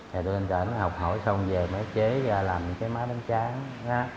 thì tôi nên trả nó học hỏi xong về mới chế ra làm cái máy bánh tráng